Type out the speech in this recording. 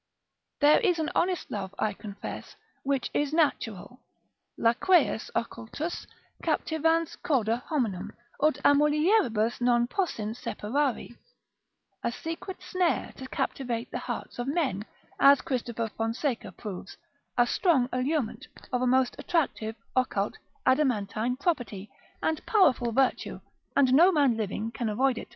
There is an honest love, I confess, which is natural, laqueus occultus captivans corda hominum, ut a mulieribus non possint separari, a secret snare to captivate the hearts of men, as Christopher Fonseca proves, a strong allurement, of a most attractive, occult, adamantine property, and powerful virtue, and no man living can avoid it.